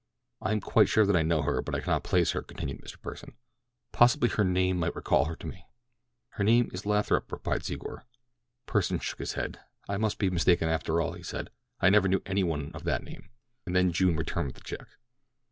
"I am quite sure that I know her, but I cannot place her," continued Mr. Pursen. "Possibly her name might recall her to me." "Her name is Lathrop," replied Secor. Pursen shook his head. "I must be mistaken after all," he said, "I never knew any one of that name," and then June returned with the check.